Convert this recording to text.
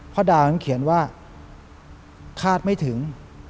พระอาจารย์เขียนว่าคาดไม่ถึง